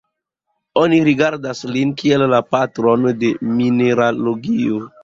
Oni rigardas lin kiel la "patron de mineralogio".